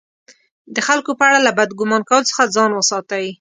د خلکو په اړه له بد ګمان کولو څخه ځان وساتئ!